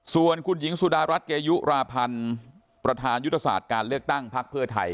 ส่วนคุณหญิงสุดารัฐเกยุราพันธ์ประธานยุทธศาสตร์การเลือกตั้งพักเพื่อไทย